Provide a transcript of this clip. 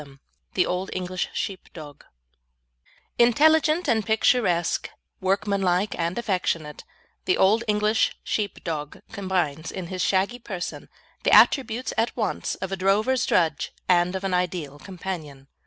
CHAPTER IX THE OLD ENGLISH SHEEPDOG Intelligent and picturesque, workmanlike and affectionate, the Old English Sheepdog combines, in his shaggy person, the attributes at once of a drover's drudge and of an ideal companion.